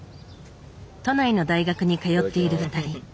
都内の大学に通っている２人。